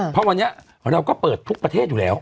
เพราะวันนี้เราก็เปิดทุกประเทศอยู่แล้ว